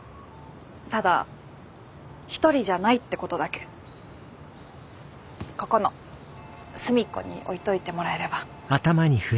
ただ一人じゃないってことだけここの隅っこに置いといてもらえれば。